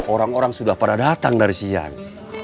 orang orang sudah pada datang dari siang